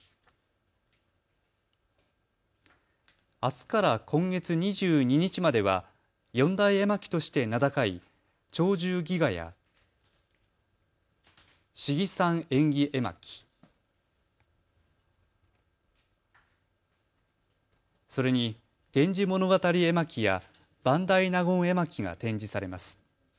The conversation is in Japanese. あすから今月２２日までは四大絵巻として名高い鳥獣戯画や信貴山縁起絵巻、それに源氏物語絵巻や伴大納言絵巻が展示されます。